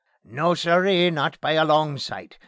No, siree! not by a long sight!